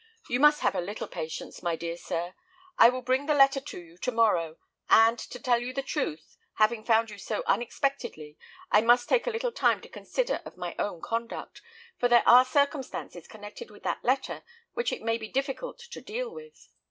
You must have a little patience, my dear sir. I will bring the letter to you to morrow; and to tell you the truth, having found you so unexpectedly, I must take a little time to consider of my own conduct, for there are circumstances connected with that letter which it may be difficult to deal with."